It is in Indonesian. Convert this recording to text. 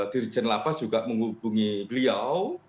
dirjen lapas juga menghubungi beliau